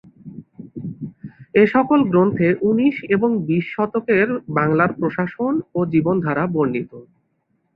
এ সকল গ্রন্থে উনিশ এবং বিশ শতকের বাংলার প্রশাসন ও জীবনধারা বর্ণিত।